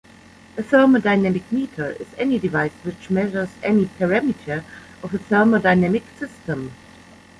A thermodynamic meter is any device which measures any parameter of a thermodynamic system.